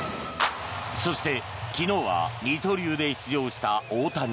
そして、昨日は二刀流で出場した大谷。